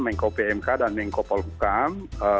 mengko pmk dan mengko polkamp